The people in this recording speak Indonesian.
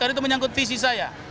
karena itu menyangkut visi saya